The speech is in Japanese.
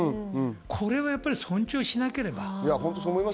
これはやっぱり尊重しなければ。